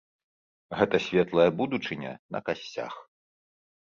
Гэта светлая будучыня на касцях.